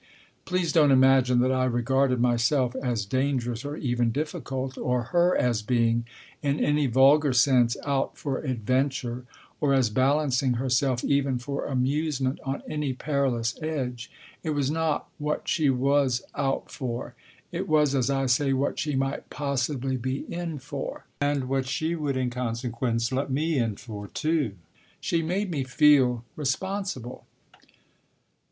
Please don't imagine that I regarded myself as dangerous or even difficult, or her as being, in any vulgar sense, out for adventure, or as balancing herself even for amusement on any perilous edge. It was not what she was out for, it was, as I say, what she might possibly be in for ; and what she would, in consequence, let me in for too. She made me feel responsible.